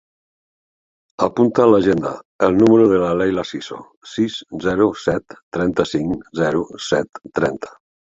Apunta a l'agenda el número de la Leila Siso: sis, zero, set, trenta-cinc, zero, set, trenta.